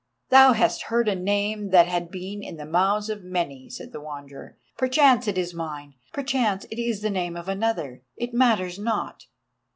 "Thou hast heard a name that has been in the mouths of many," said the Wanderer; "perchance it is mine, perchance it is the name of another. It matters not.